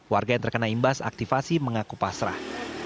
warga yang terkena imbas aktifasi mengaku pasrah